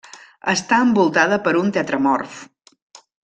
Està envoltada per un tetramorf.